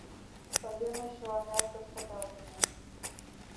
— Ынде мей чыланат господа улына.